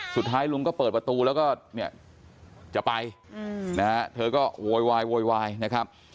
สุดท้ายลุงก็เปิดประตูแล้วก็เนี่ยจะไปนะฮะเธอก็โวยวายโวยวายนะครับ